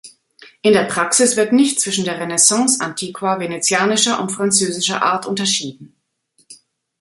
In der Praxis wird nicht zwischen der Renaissance-Antiqua venezianischer und französischer Art unterschieden.